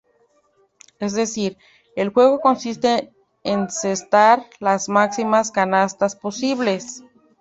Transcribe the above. Es decir, el juego consiste en encestar las máximas canastas posibles.